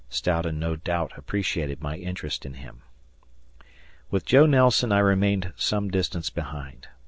Stoughton no doubt appreciated my interest in him. With Joe Nelson I remained some distance behind.